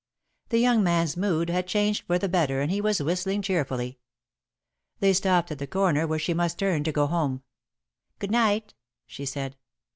The young man's mood had changed for the better and he was whistling cheerfully. They stopped at the corner where she must turn to go home. "Good night," she said.